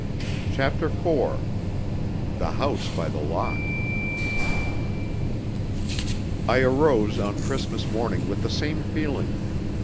CHAPTER IV The House by the Lock I arose on Christmas morning with the same feeling.